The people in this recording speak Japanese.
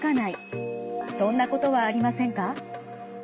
最近そんなことはありませんか。